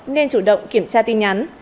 nên chủ động kiểm tra tin nhắn